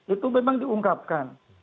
itu memang diungkapkan